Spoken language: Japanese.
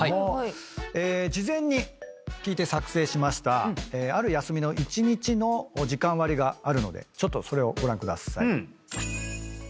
事前に聞いて作成しましたある休みの一日の時間割があるのでちょっとそれをご覧ください。